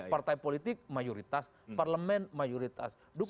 partai politik mayoritas parlemen mayoritas dukungan